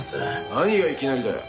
何がいきなりだよ。